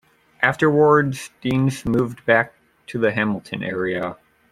Afterwards, Deans moved back to the Hamilton area.